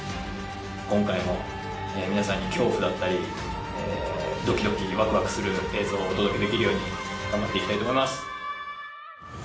今回も皆さんに恐怖だったりドキドキワクワクする映像をお届けできるように頑張って行きたいと思います！